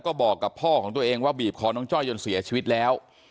น้องจ้อยนั่งก้มหน้าไม่มีใครรู้ข่าวว่าน้องจ้อยเสียชีวิตไปแล้ว